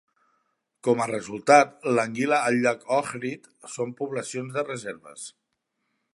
Com a resultat, l'anguila al llac Ohrid són poblacions de reserves.